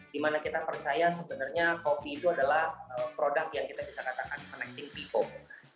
dimana kita percaya sebenarnya kopi itu adalah produk yang kita bisa katakan connecting bepom